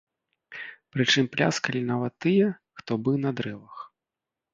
Прычым пляскалі нават тыя, хто быў на дрэвах.